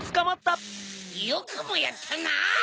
よくもやったな！